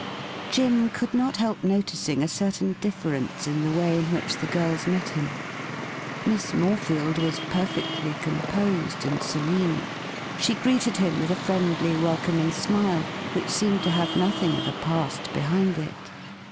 Jim could not help noticing a certain difference in the way in which the girls met him. Miss Morefield was perfectly composed and serene. She greeted him with a friendly welcoming smile, which seemed to have nothing of a past behind it.